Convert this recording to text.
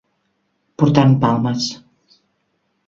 Portar en palmes.